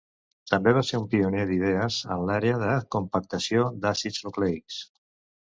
També va ser un pioner d'idees en l'àrea de compactació d'àcids nucleics.